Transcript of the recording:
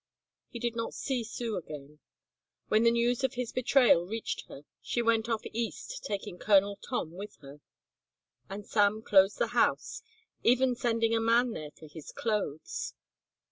He did not see Sue again. When the news of his betrayal reached her she went off east taking Colonel Tom with her, and Sam closed the house, even sending a man there for his clothes.